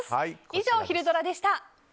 以上ひるドラ！でした。